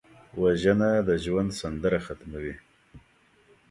وژنه د ژوند سندره ختموي